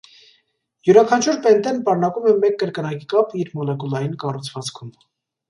Յուրաքանչյուր պենտեն պարունակում է մեկ կրկնակի կապ իր մոլեկուլային կառուցվածքում։